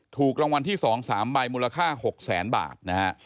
ถูกรางวัลที่๒๓ใบมูลค่า๖๐๐๐๐๐บาท